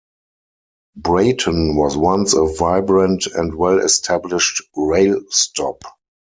Breyten was once a vibrant and well established rail stop.